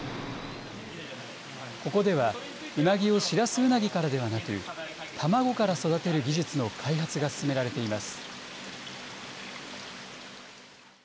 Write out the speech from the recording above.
ここでは、うなぎをシラスウナギからではなく、卵から育てる技術の開発が進められています。